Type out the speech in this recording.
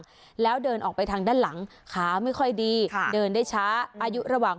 แล้วเดินออกไปทางด้านหลังขาไม่ค่อยดีค่ะเดินได้ช้าอายุระหว่าง